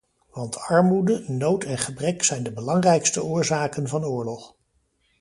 Want armoede, nood en gebrek zijn de belangrijkste oorzaken van oorlog.